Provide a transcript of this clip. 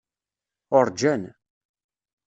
Uṛǧan.